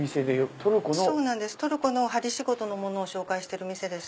トルコの針仕事のもの紹介してる店です。